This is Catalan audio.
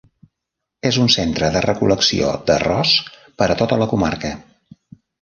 És un centre de recol·lecció d'arròs per a tota la comarca.